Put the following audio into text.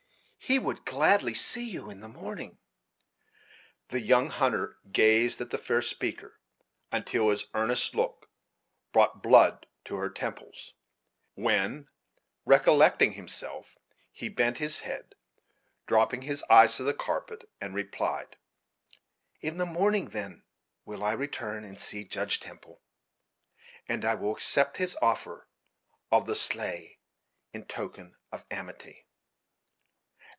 He would gladly see you in the morning." The young hunter gazed at the fair speaker until his earnest look brought the blood to her temples; when, recollecting himself, he bent his head, dropping his eyes to the carpet, and replied: "In the morning, then, will I return, and see Judge Temple; and I will accept his offer of the sleigh in token of amity."